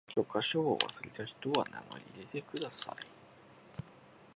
教科書を忘れた人は名乗り出てください。